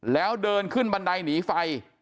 แล้วเดินขึ้นบันไดหนีไฟ